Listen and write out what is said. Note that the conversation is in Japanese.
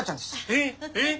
えっえっ！